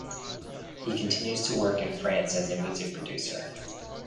He continues to work in France as a music producer.